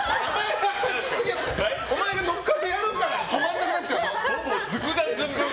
お前が乗っかってやるから止まんなくなっちゃうんだよ。